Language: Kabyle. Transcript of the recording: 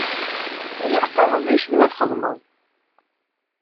Iḥeqqa, d acu ay txeddmeḍ?